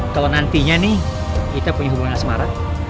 kalau nantinya nih kita punya hubungan asmara